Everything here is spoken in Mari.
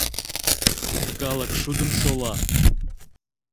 Калык шудым сола.